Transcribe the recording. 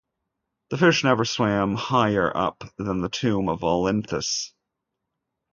The fish never swam higher up than the tomb of Olynthus.